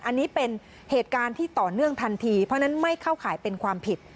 อันนี้เป็นเหตุการณ์ที่ต่อเนื่องทันทีเพราะฉะนั้นไม่เข้าข่ายเป็นความผิด